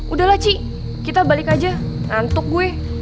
udahlah ci kita balik aja nantuk gue